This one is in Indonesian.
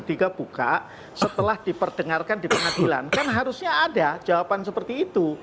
ketika buka setelah diperdengarkan di pengadilan kan harusnya ada jawaban seperti itu